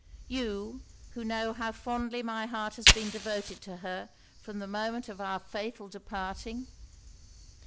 you, who know how fondly my heart has been devoted to her from the moment of our fatal parting?'